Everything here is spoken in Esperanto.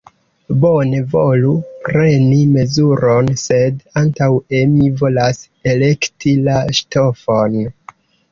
Bone, volu preni mezuron, sed antaŭe mi volas elekti la ŝtofon.